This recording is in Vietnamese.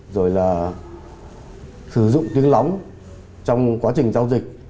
rồi là sử dụng tiếng lóng trong quá trình giao dịch